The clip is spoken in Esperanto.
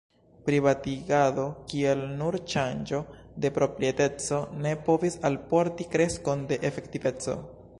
Privatigado kiel nur ŝanĝo de proprieteco ne povis alporti kreskon de efektiveco.